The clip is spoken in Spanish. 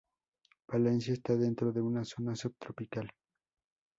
Valencia está dentro de una zona subtropical.